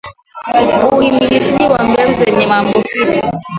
Uhimilishaji wa mbegu zenye maambukizi